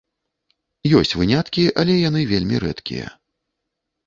Ёсць выняткі, але яны вельмі рэдкія.